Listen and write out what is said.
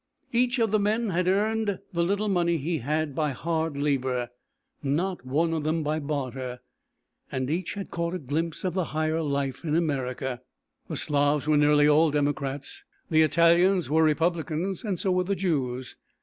Each of the men had earned the little money he had, by hard labour; not one of them by barter, and each had caught a glimpse of the higher life in America. The Slavs were nearly all Democrats, the Italians were Republicans, and so were the Jews.